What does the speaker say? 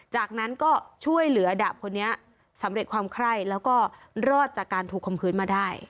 จากนั้นก็ช่วยเหลือดาบคนนี้สำเร็จความไคร้แล้วก็รอดจากการถูกคมคืนมาได้